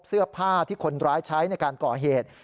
เสื้อผ้าที่คนร้ายใช้ในการก่อเหตุ